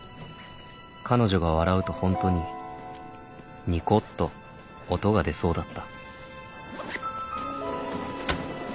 彼女が笑うとホントにニコッと音が出そうだった